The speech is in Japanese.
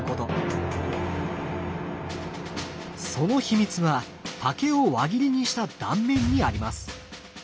その秘密は竹を輪切りにした断面にあります。